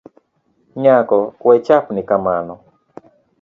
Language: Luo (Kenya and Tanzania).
Nyako wechapni kamano